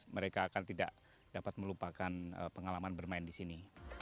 mereka akan tidak dapat melupakan pengalaman bermain di sini